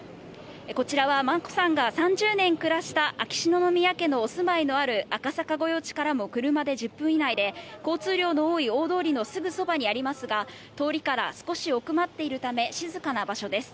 こちらは、眞子さんが３０年暮らした秋篠宮家のお住まいのある赤坂御用地からも車で１０分以内で、交通量の多い大通りのすぐそばにありますが、通りから少し奥まっているため、静かな場所です。